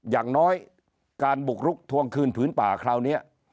อย่างน้อยการบุกรุกทวงคืนผืนป่าคราวนี้